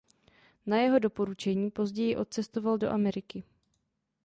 Na jeho doporučení později odcestoval do Ameriky.